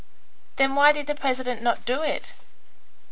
"Then why did the president not do it?"